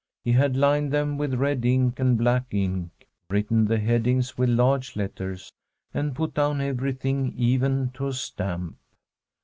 He had lined them with red ink and black ink, written the headings with large letters, and put down everything, even to a stamp.